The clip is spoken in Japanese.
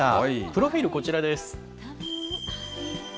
プロフィール、こちらです。